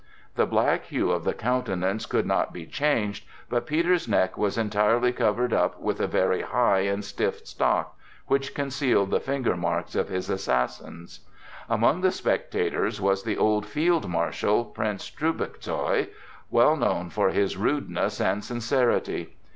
The black hue of the countenance could not be changed, but Peter's neck was entirely covered up with a very high and stiff stock, which concealed the finger marks of his assassins. Among the spectators was the old field marshal, Prince Trubetzkoi, well known for his rudeness and sincerity.